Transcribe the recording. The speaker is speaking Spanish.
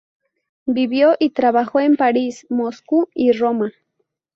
Vivió y trabajó en París, Moscú y Roma.